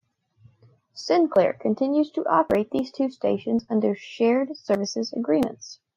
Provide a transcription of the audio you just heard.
Sinclair continues to operate these two stations under shared services agreements.